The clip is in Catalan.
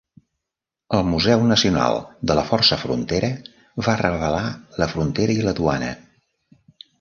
El Museu Nacional de la Força Frontera va revelar la frontera i la duana.